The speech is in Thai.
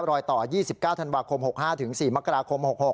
รอยต่อ๒๙ธันวาคม๖๕๔มกราคม๖๖